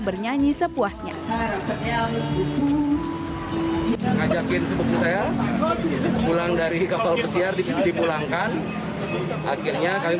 bernyanyi sepuasnya ngajakin sepupu saya pulang dari kapal pesiar dipulangkan akhirnya kami